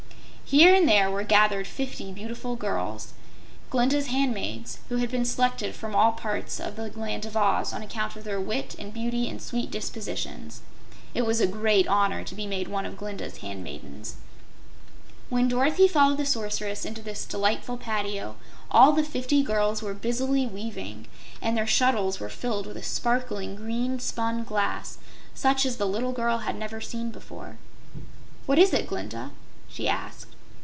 Here there were gathered fifty beautiful young girls, Glinda's handmaids, who had been selected from all parts of the Land of Oz on account of their wit and beauty and sweet dispositions. It was a great honor to be made one of Glinda's handmaidens. When Dorothy followed the Sorceress into this delightful patio all the fifty girls were busily weaving, and their shuttles were filled with a sparkling green spun glass such as the little girl had never seen before. "What is it, Glinda?" she asked.